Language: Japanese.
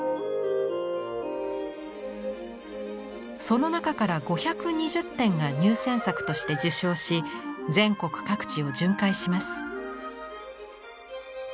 その中から５２０点が入選作として受賞し全国各地を巡回します。